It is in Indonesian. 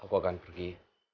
aku akan pergi